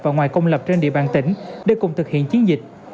và ngoài công lập trên địa bàn tỉnh để cùng thực hiện chiến dịch